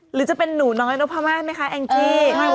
หรือจะเป็นหนูน้อยนกพม่าไหมคะแองจี้